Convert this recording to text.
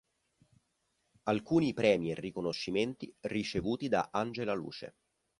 Alcuni premi e riconoscimenti ricevuti da Angela Luce.